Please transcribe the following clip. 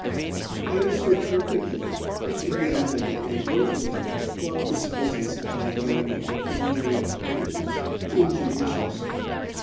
I understood perfectly, and gathered that they both of them thought this business of my going into undrained cottages injudicious.